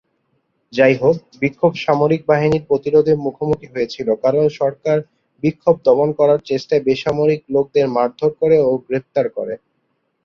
যাইহোক, বিক্ষোভ সামরিক বাহিনীর প্রতিরোধের মুখোমুখি হয়েছিল, কারণ সরকার বিক্ষোভ দমন করার চেষ্টায় বেসামরিক লোকদের মারধর করে ও গ্রেপ্তার করে।